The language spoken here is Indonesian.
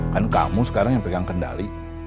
kan kamu sekarang yang pegang kendali